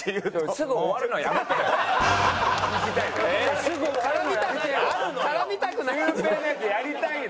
すぐ終わるのやめてよ！